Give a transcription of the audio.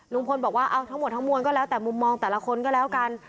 ลุงพลบอกว่าเอาทั้งหมดทั้งมวลก็แล้วแต่มุมมองแต่ละคนก็แล้วกัน